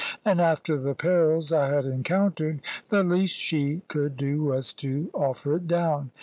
And after the perils I had encountered, the least she could do was to offer it down.